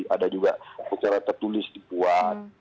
ada juga secara tertulis dibuat